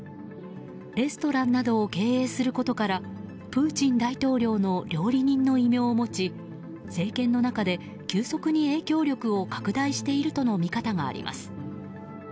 レストランなどを経営することからプーチン大統領の料理人の異名を持ち政権の中で急速に影響力を拡大しているとの見方があります。